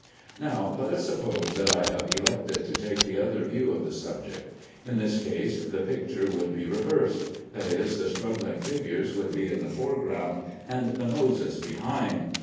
Now let us suppose that I have elected to take the other view of the subject. In this case the picture would be reversed; that is, the struggling figures would be in the foreground, and the Moses behind.